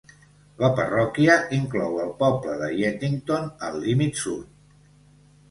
La parròquia inclou el poble de Yettington al límit sud.